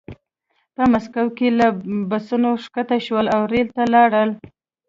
په مسکو کې له بسونو ښکته شول او ریل ته لاړل